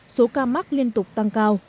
số ca mắc liên tục tăng cao